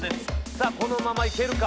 さぁこのまま行けるか？